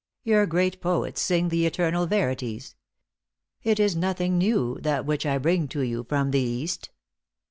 Your great poets sing the eternal verities. It is nothing new, that which I bring to you from the East."